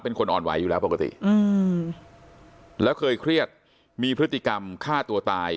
เป็นคนอ่อนไหวอยู่แล้วปกติอืมแล้วเคยเครียดมีพฤติกรรมฆ่าตัวตาย